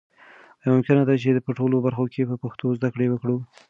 آیا ممکنه ده چې په ټولو برخو کې په پښتو زده کړه وکړو؟